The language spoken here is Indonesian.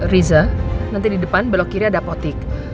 riza nanti di depan belok kiri ada apotik